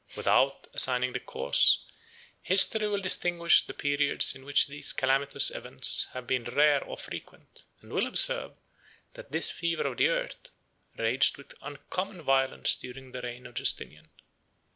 Without assigning the cause, history will distinguish the periods in which these calamitous events have been rare or frequent, and will observe, that this fever of the earth raged with uncommon violence during the reign of Justinian.